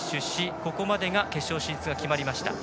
ここまで決勝進出が決まりました。